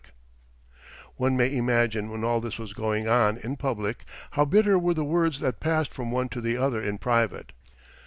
] One may imagine when all this was going on in public how bitter were the words that passed from one to the other in private.